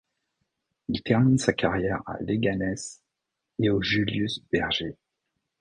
Il termine sa carrière à Leganés et au Julius Berger.